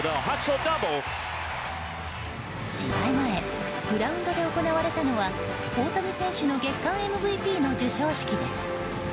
試合前、グラウンドで行われたのは大谷選手の月間ＭＶＰの授賞式です。